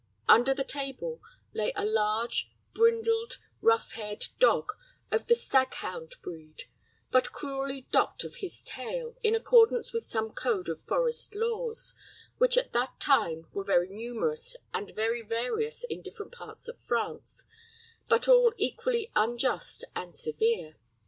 Under the table lay a large, brindled, rough haired dog, of the stag hound breed, but cruelly docked of his tail, in accordance with some code of forest laws, which at that time were very numerous and very various in different parts of France, but all equally unjust and severe.